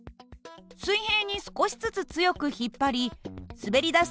水平に少しずつ強く引っ張り滑りだす